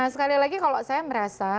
sekali lagi kalau saya merasa